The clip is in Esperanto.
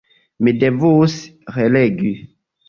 Mi devus relegi.